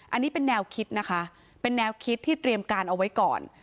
อันนี้เป็นแนวคิดนะคะเป็นแนวคิดที่เตรียมการเอาไว้ก่อน